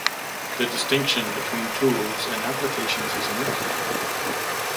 The distinction between tools and applications is murky.